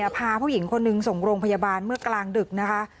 พาผู้หญิงคนหนึ่งส่งโรงพยาบาลเมื่อกลางดึกนะคะ